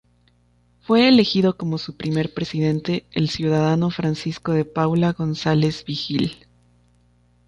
Fue elegido como su primer presidente el ciudadano Francisco de Paula González Vigil.